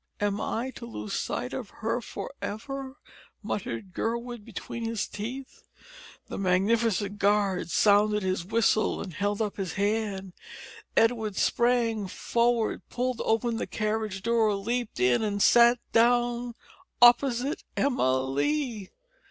"Am I to lose sight of her for ever?" muttered Gurwood between his teeth. The magnificent guard sounded his whistle and held up his hand. Edwin sprang forward, pulled open the carriage door, leaped in and sat down opposite Emma Lee!